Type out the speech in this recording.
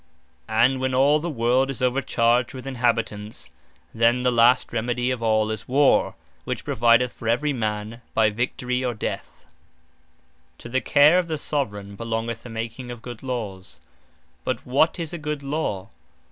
And when all the world is overchargd with Inhabitants, then the last remedy of all is Warre; which provideth for every man, by Victory, or Death. Good Lawes What To the care of the Soveraign, belongeth the making of Good Lawes. But what is a good Law?